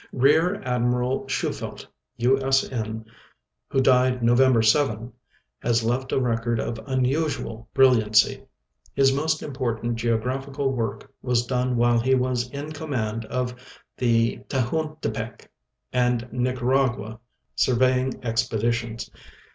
Rear Admiral Shufeldt, U. S. N., who died November 7, has left a record of unusual brilliancy. His most important geogra^ihical work was done while he was in command of the Tehuantepec and Nicaragua surveying expeditions.